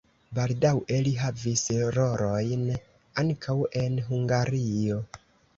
Baldaŭe li havis rolojn ankaŭ en Hungario.